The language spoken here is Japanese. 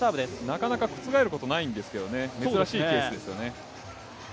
なかなか覆ることないんですけどね、珍しいケースですよね。